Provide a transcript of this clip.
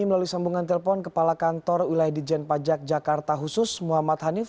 melalui sambungan telepon kepala kantor wilayah dijen pajak jakarta khusus muhammad hanif